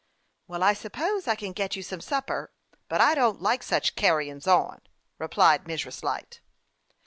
" Well, I suppose I can get you some supper ; but I don't like such carryin's on," replied Mrs. Light.